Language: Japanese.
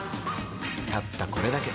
たったこれだけ。